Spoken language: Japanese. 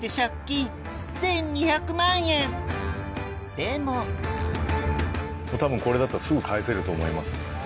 でも多分これだったらすぐ返せると思います。